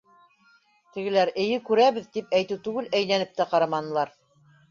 Тегеләр «Эйе, күрәбеҙ» тип әйтеү түгел, әйләнеп тә ҡараманылар.